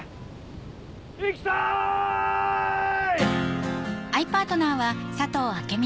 行きたい！